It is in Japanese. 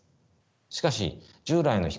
しかし従来の光